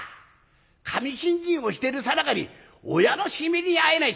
神信心をしてるさなかに親の死に目に会えない